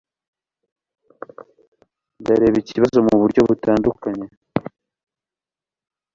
ndareba ikibazo muburyo butandukanye